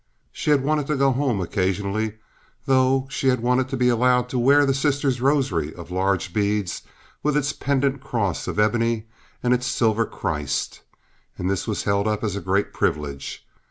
She had wanted to go home occasionally, though; she had wanted to be allowed to wear the sister's rosary of large beads with its pendent cross of ebony and its silver Christ, and this was held up as a great privilege.